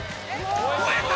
超えた！